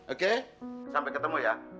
oke sampai ketemu ya